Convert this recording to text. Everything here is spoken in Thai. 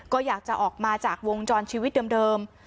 ก็อยากจะออกมาจากวงจรชีวิตเดิม